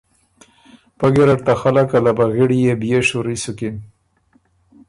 پۀ ګیرډ ته خلق ا لبغِړيې بئے شوري سُکِن